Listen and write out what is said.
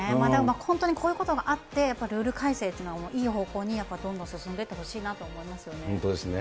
本当にこういうことがあって、ルール改正というのはいい方向にどんどん進んでいってほしいなと本当ですね。